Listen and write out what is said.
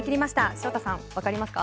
潮田さんわかりますか。